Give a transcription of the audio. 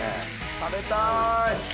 食べたい！